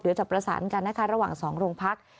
เดี๋ยวจะประสานกันนะคะระหว่างสองลงพัก